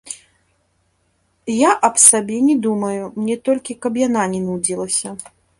Я аб сабе не думаю, мне толькі, каб яна не нудзілася.